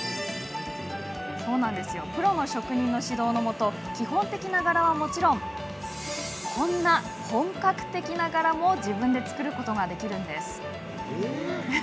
プロの職人の指導のもと基本的な柄はもちろんこんな本格的な柄も自分で作ることができるんです。